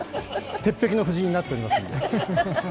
鉄壁の布陣になっておりますんで。